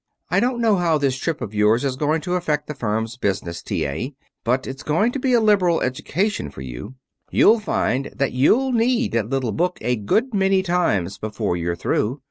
"I don't know how this trip of yours is going to affect the firm's business, T. A. But it's going to be a liberal education for you. You'll find that you'll need that little book a good many times before you're through.